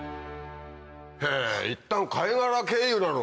へぇいったん貝殻経由なの？